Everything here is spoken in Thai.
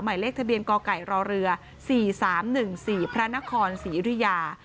หมายเลขทะเบียนกไก่รเรือ๔๓๑๔พระนครศิริยา